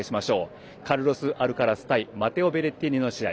カルロス・アルカラス対マテオ・ベレッティーニの試合。